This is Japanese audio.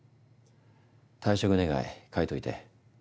退職願書いといて。